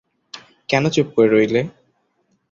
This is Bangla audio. কেন চুপ করে রইলে।